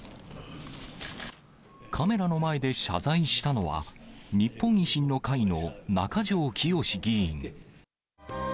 カメラの前で謝罪したのは、日本維新の会の中条きよし議員。